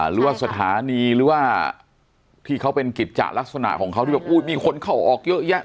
หรือว่าสถานีหรือว่าที่เขาเป็นกิจจะลักษณะของเขาที่แบบมีคนเข้าออกเยอะแยะ